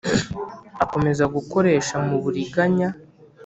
Akomeza gukoresha mu buriganya.